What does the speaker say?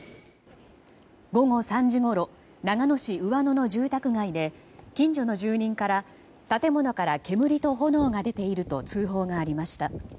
午後３時ごろ長野市上野の住宅街で近所の住人から建物から煙と炎が出ていると通報がありました。